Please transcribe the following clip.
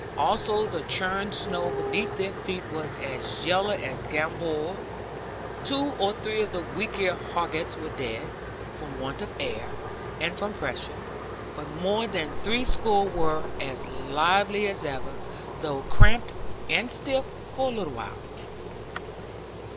Also the churned snow beneath their feet was as yellow as gamboge. Two or three of the weaklier hoggets were dead, from want of air, and from pressure; but more than three score were as lively as ever; though cramped and stiff for a little while.